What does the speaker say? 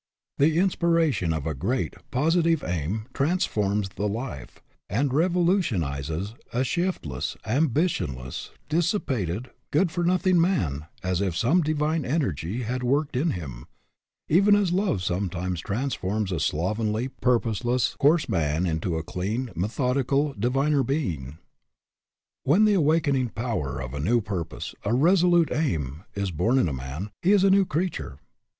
The inspiration of a great, positive aim transforms the life and revolutionizes a shift less, ambitionless, dissipated, good for nothing man as if some divine energy had worked in him even as love sometimes transforms a slovenly, purposeless, coarse man into a clean, methodical, diviner being. When the awakening power of a new pur pose, a resolute aim, is born in a man, he is a new creature.